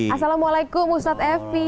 assalamualaikum ustadz evi